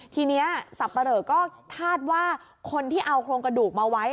ทีนี้สับปะเหลอก็คาดว่าคนที่เอาโครงกระดูกมาไว้